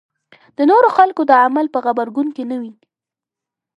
د نورو خلکو د عمل په غبرګون کې نه وي.